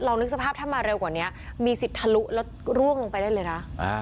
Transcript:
นึกสภาพถ้ามาเร็วกว่านี้มีสิทธิ์ทะลุแล้วร่วงลงไปได้เลยนะ